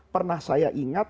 pernah saya ingat